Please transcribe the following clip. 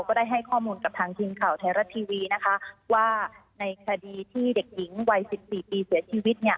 ได้ให้ข้อมูลกับทางทีมข่าวไทยรัฐทีวีนะคะว่าในคดีที่เด็กหญิงวัย๑๔ปีเสียชีวิต